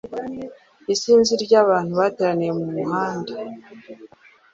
Isinzi ryabantu bateraniye mumuhanda.